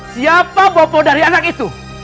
siapa bopo dari anak itu